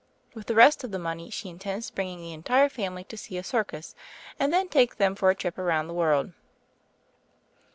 With the rest of the money she intends bringing the entire family to see a circus, and then take them for a trip round the world."